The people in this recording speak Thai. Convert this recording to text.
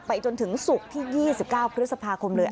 จนถึงศุกร์ที่๒๙พฤษภาคมเลย